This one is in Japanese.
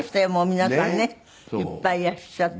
皆さんねいっぱいいらっしゃって。